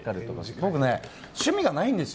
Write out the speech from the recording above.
僕、趣味がないんですよ。